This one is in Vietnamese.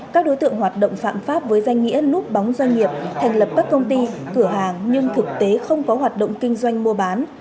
các đối tượng hoạt động phạm pháp với danh nghĩa núp bóng doanh nghiệp thành lập các công ty cửa hàng nhưng thực tế không có hoạt động kinh doanh mua bán